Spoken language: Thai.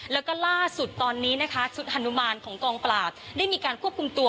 แล้วก็ล่าสุดตอนนี้นะคะชุดฮานุมานของกองปราบได้มีการควบคุมตัว